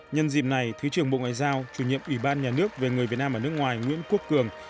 nhân dịp này thứ trưởng bộ ngoại giao chủ nhiệm ủy ban nhà nước về người việt nam ở nước ngoài nguyễn quốc cường